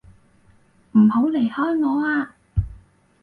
唔好離開我啊！